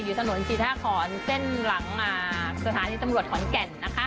ถนนจีท่าขอนเส้นหลังสถานีตำรวจขอนแก่นนะคะ